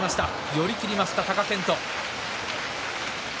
寄り切りました貴健斗の勝ち。